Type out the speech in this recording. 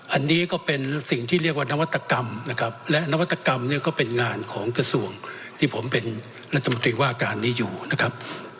อันนี้ก็เป็นสิ่งที่เรียกว่านวัตกรรมนะครับและนวัตกรรมเนี่ยก็เป็นงานของกระทรวงที่ผมเป็นรัฐมนตรีว่าการนี้อยู่นะครับ